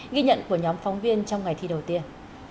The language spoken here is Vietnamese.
ghi nhận của nhóm phóng viên trong ngày thi đầu tiên